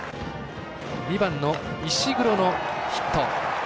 ２番の石黒のヒット。